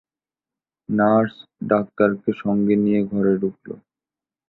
Nurse ডাক্তারকে সঙ্গে নিয়ে ঘরে ঢুকল।